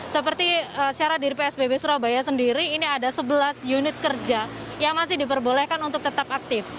seperti syarat dari psbb surabaya sendiri ini ada sebelas unit kerja yang masih diperbolehkan untuk tetap aktif